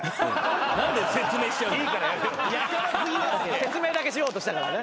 説明だけしようとしたからね。